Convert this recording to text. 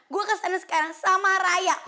gue kesana sekarang sama raya